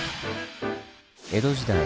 江戸時代